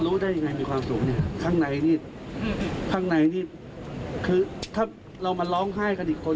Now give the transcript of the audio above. ได้ยังไงมีความสุขเนี่ยข้างในนี่ข้างในนี่คือถ้าเรามาร้องไห้กันอีกคน